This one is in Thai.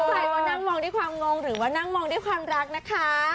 ใครก็นั่งมองด้วยความงงหรือว่านั่งมองด้วยความรักนะคะ